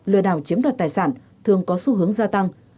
lừa đảo chiếm đoạt tài sản thường có xu hướng gia tăng